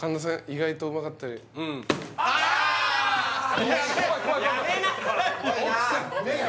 意外とうまかったりあーっ！